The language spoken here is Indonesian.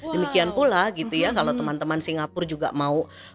demikian pula gitu ya kalau teman teman singapura juga mau